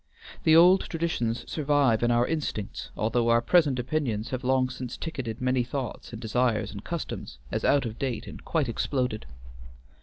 The old traditions survive in our instincts, although our present opinions have long since ticketed many thoughts and desires and customs as out of date and quite exploded.